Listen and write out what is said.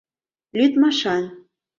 Лӱдмашан...